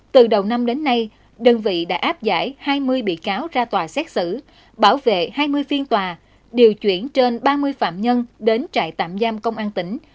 từ đầu năm đến nay đơn vị đã áp giải hai mươi bị cáo ra tòa xét xử bảo vệ hai mươi phiên tòa điều chuyển trên ba mươi phạm nhân đến trại tạm giam công an tỉnh